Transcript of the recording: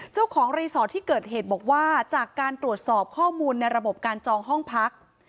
เจ้าของรีสอร์ทที่เกิดเหตุบอกว่าจากการตรวจสอบข้อมูลในระบบการจองห้องพัก